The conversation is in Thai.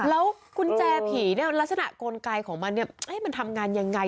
แล้วกุญแจผีลักษณะกลไกของมันให้มันทำงานอย่างไร